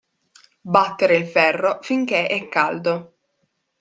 Battere il ferro finché è caldo.